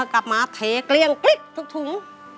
กลับมาเทเกลี้ยงกลิ๊กทุกถุง